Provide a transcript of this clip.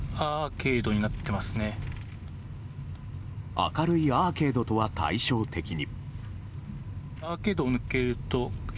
明るいアーケードとは対照的に。